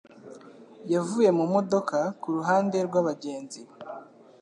yavuye mu modoka kuruhande rwabagenzi.